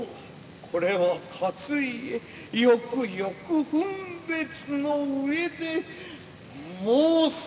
これは勝家よくよく分別の上で申すことだぞ。